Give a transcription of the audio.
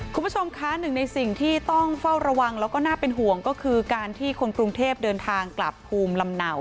คุณผู้ชมคะหนึ่งในสิ่งที่ต้องเฝ้าระวังแล้วก็น่าเป็นห่วงก็คือการที่คนกรุงเทพเดินทางกลับภูมิลำเนา